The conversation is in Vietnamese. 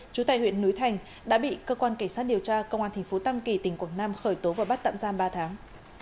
trú tại huyện núi thành đã bị cơ quan cảnh sát điều tra công an tp tam kỳ tỉnh quảng nam khởi tố và bắt tạm giam ba tháng